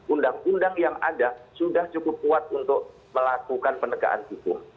undang undang yang ada sudah cukup kuat untuk melakukan penegakan hukum